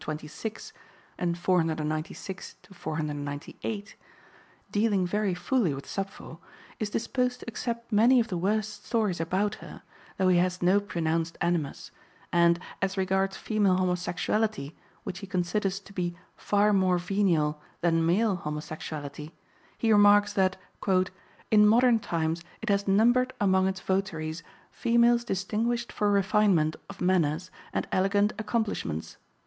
iii, pp. 272 326, 496 8), dealing very fully with Sappho, is disposed to accept many of the worst stories about her, though he has no pronounced animus, and, as regards female homosexuality, which he considers to be "far more venial" than male homosexuality, he remarks that "in modern times it has numbered among its votaries females distinguished for refinement of manners and elegant accomplishments."